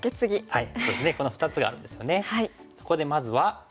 はい。